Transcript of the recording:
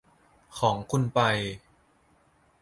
ของคุณไป